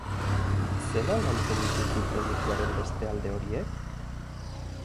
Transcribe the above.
Zelan lantzen dituzu proiektuaren beste alde horiek?